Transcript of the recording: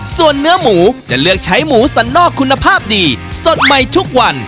ส่วนเนื้อหมูจะเลือกใช้หมูสันนอกคุณภาพดีสดใหม่ทุกวัน